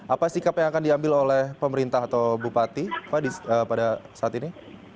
apa sikap yang akan diambil oleh pemerintah atau bupati pada saat ini